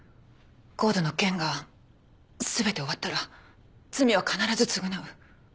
ＣＯＤＥの件が全て終わったら罪は必ず償う。